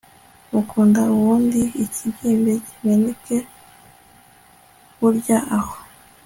mukunda ubundi ikibyibye kimeneke burya aho